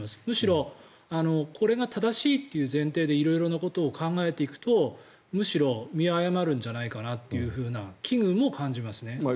むしろこれが正しいという前提で色々なことを考えていくとむしろ見誤るんじゃないかという危惧も感じます。